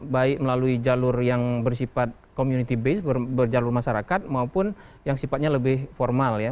baik melalui jalur yang bersifat community base berjalur masyarakat maupun yang sifatnya lebih formal ya